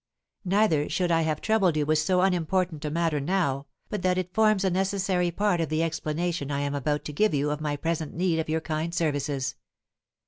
"Neither should I have troubled you with so unimportant a matter now, but that it forms a necessary part of the explanation I am about to give you of my present pressing need of your kind services.